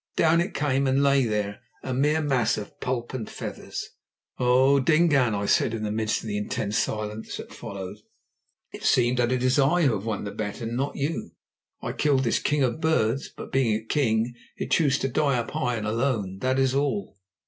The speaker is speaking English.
Down it came, and lay there a mere mass of pulp and feathers. "O Dingaan," I said in the midst of the intense silence that followed, "it seems that it is I who have won the bet, not you. I killed this king of birds, but being a king it chose to die high up and alone, that is all."